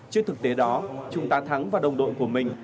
trước thực tế đó trung tá thắng và đồng đội của mình